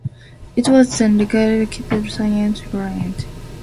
It was then relocated to Saint-Claude, Jura.